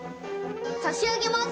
差し上げます。